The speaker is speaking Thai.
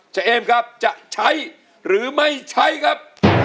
เอมครับจะใช้หรือไม่ใช้ครับ